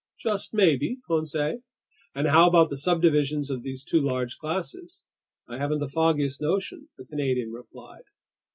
"Just maybe, Conseil." "And how about the subdivisions of these two large classes?" "I haven't the foggiest notion," the Canadian replied.